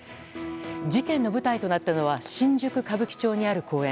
事件の舞台となったのは新宿・歌舞伎町にある公園。